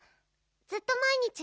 ずっとまいにち